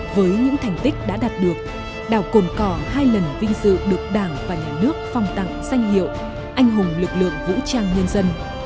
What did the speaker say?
với những thành tích đã đạt được đảo cồn cỏ hai lần vinh dự được đảng và nhà nước phong tặng danh hiệu anh hùng lực lượng vũ trang nhân dân